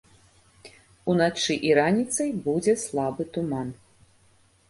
Уначы і раніцай будзе слабы туман.